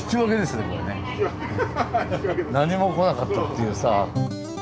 何もこなかったっていうさ。